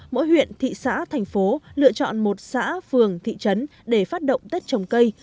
mỗi huyện thị xã thành phố lựa chọn một xã phường thị trấn để phát động tết trồng cây